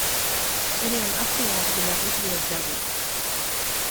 Elle est un affluent de la rivière Belly.